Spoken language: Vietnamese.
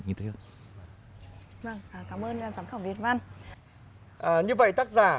như vậy tác giả